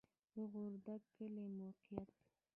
د غورک کلی موقعیت